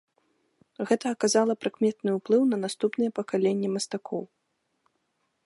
Гэта аказала прыкметны ўплыў на наступныя пакаленні мастакоў.